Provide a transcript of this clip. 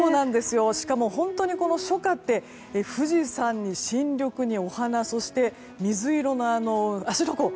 しかも本当に初夏って富士山に新緑にお花そして水色の芦ノ湖。